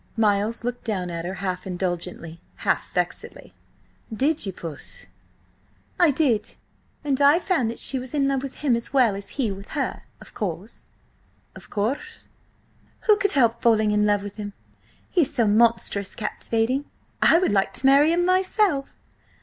Miles looked down at her half indulgently, half vexedly. "Did you, puss?" "I did. And I found that she was in love with him as well as he with her–of course." "Of course?" "Who could help falling in love with him? He's so monstrous captivating, I would like to marry him myself."